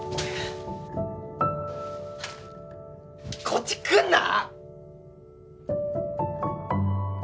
こっち来んな！